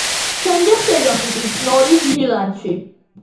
შემდეგ სეზონში კი წნორის „მილანში“.